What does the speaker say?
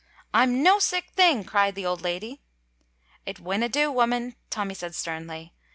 "I'm no sic thing!" cried the old lady. "It winna do, woman," Tommy said sternly.